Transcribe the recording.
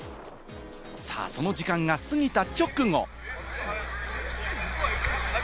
さぁ、その時間が過ぎた直後。